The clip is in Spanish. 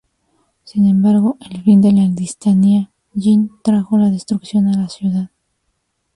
Sin embargo, el fin de la dinastía Jin trajo la destrucción a la ciudad.